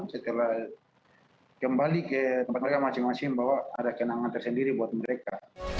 setelah kembali kembali ke masing masing bahwa ada yang akan tersendiri buat mereka